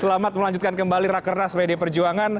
selamat melanjutkan kembali rakenas wd perjuangan